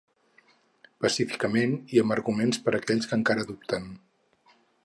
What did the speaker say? Pacíficament i amb arguments per aquells que encara dubten.